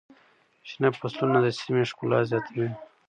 شنه فصلونه د سیمې ښکلا زیاتوي.